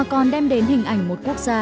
còn đem đến hình ảnh một quốc gia